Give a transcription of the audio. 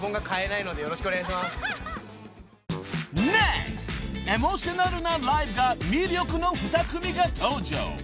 エモーショナルなライブが魅力の２組が登場］